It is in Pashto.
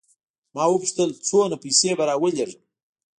ما وپوښتل څومره پیسې به راولېږم.